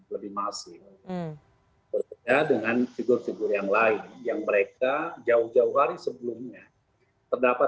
lebih masif berbeda dengan figur figur yang lain yang mereka jauh jauh hari sebelumnya terdapat